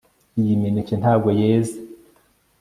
Iyi mineke ntabwo yeze